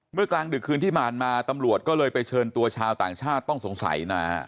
กลางดึกคืนที่ผ่านมาตำรวจก็เลยไปเชิญตัวชาวต่างชาติต้องสงสัยนะฮะ